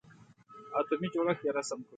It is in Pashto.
اتومي جوړښت یې رسم کړئ.